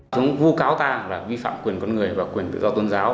chúng vu cáo ta là vi phạm quyền con người và quyền tự do tôn giáo